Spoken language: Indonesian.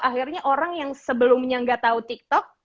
akhirnya orang yang sebelumnya gak tau tiktok